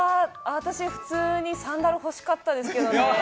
私はサンダル、普通に欲しかったですけどね。